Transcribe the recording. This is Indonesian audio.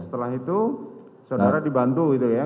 setelah itu saudara dibantu gitu ya